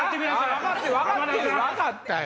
分かったよ！